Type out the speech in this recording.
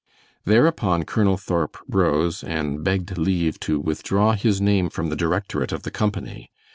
Thereupon Colonel Thorp rose and begged leave to withdraw his name from the directorate of the company.